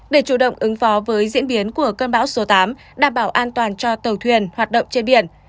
để chủ động ứng phó với diễn biến của cơn bão số tám đảm bảo an toàn cho tàu thuyền hoạt động trên biển